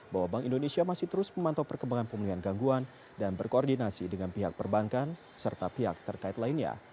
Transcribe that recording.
bahwa bank indonesia masih terus memantau perkembangan pemulihan gangguan dan berkoordinasi dengan pihak perbankan serta pihak terkait lainnya